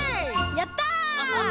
やった！